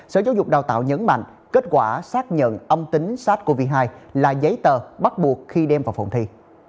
sở giáo dục đào tạo nhấn mạnh kết quả xác nhận âm tính sars cov hai là giấy tờ bắt buộc khi đem vào phòng thi